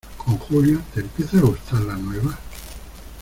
con Julia, te empieza a gustar la nueva?